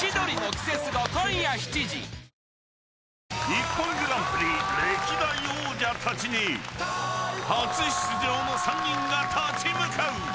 ［『ＩＰＰＯＮグランプリ』歴代王者たちに初出場の３人が立ち向かう！］